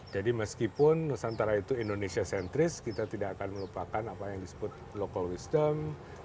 jadi meskipun nusantara itu indonesia sentris kita tidak akan melupakan apa yang disebut local wisdom